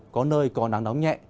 có nơi còn nắng nóng nhẹ